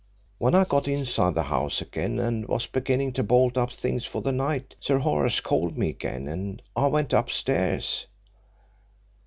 When I got inside the house again, and was beginning to bolt up things for the night Sir Horace called me again and I went upstairs.